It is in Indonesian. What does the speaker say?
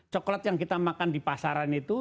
coklat yang kita makan di pasaran itu